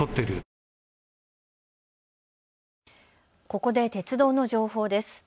ここで鉄道の情報です。